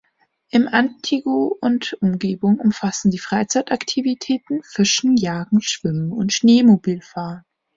In Antigo und Umgebung umfassen die Freizeitaktivitäten Fischen, Jagen, Schwimmen und Schneemobilfahren.